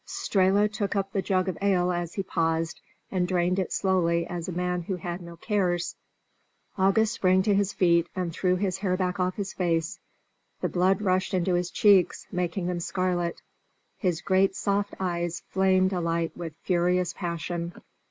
Strehla took up the jug of ale as he paused, and drained it slowly as a man who had no cares. August sprang to his feet and threw his hair back off his face; the blood rushed into his cheeks, making them scarlet: his great soft eyes flamed alight with furious passion.